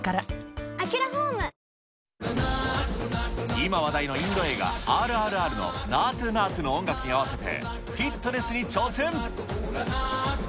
今話題のインド映画、ＲＲＲのナートゥ・ナートゥの音楽に合わせてフィットネスに挑戦。